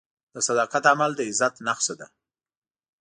د صداقت عمل د عزت نښه ده.